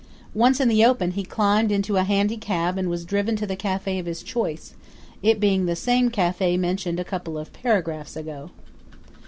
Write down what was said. Once in the open he climbed into a handy cab and was driven to the cafe of his choice, it being the same cafe mentioned a couple of paragraphs ago.